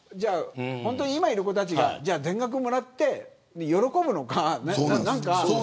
今いる子たちが全額もらって喜ぶのかな。